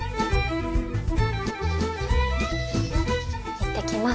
いってきます。